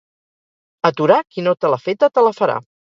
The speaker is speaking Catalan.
A Torà, qui no te l'ha feta te la farà.